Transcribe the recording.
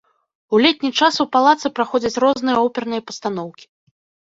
У летні час у палацы праходзяць розныя оперныя пастаноўкі.